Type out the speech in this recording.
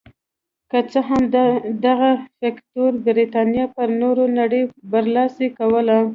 که څه هم دغه فکټور برېتانیا پر نورې نړۍ برلاسې کوله.